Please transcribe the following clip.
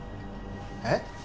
えっ？